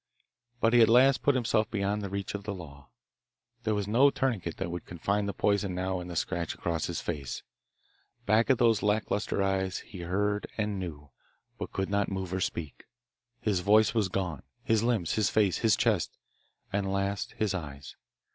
But he had at last put himself beyond the reach of the law. There was no tourniquet that would confine the poison now in the scratch across his face. Back of those lack lustre eyes he heard and knew, but could not move or speak. His voice was gone, his limbs, his face, his chest, and, last, his eyes.